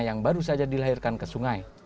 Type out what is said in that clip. yang baru saja dilahirkan ke sungai